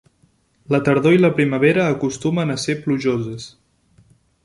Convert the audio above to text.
La tardor i la primavera acostumen a ser plujoses.